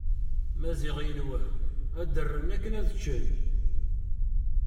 Maziɣ yenwa ad rren akken ad ččen.